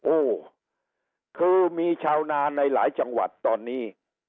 โอ้คือมีชาวนาในหลายจังหวัดตอนนี้